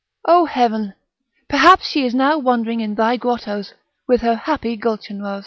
O Heaven! perhaps she is now wandering in thy grottos, with her happy Gulchenrouz!"